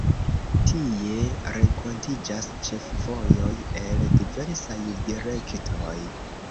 Tie renkontiĝas ĉefvojoj el diversaj direktoj.